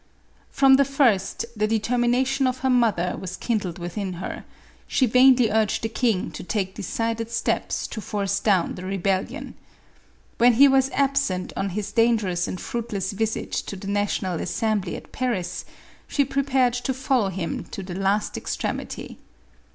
From the first, the determination of her mother was kindled within her; she vainly urged the king. to take decided steps to force down the rebellion. When he was absent on his dangerous and fruitless visit to the National Assembly at Paris, she prepared to follow him to the last extremity.